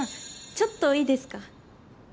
ちょっといいですか？